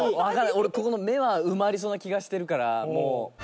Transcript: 俺ここの「め」は埋まりそうな気がしてるからもう。